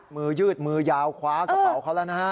ยืดมือยาวคว้ากระเป๋าเขาแล้วนะฮะ